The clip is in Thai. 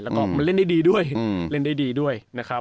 แล้วก็เล่นได้ดีด้วย